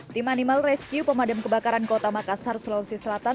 tim animal rescue pemadam kebakaran kota makassar sulawesi selatan